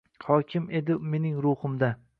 Hokim edi mening ruhimda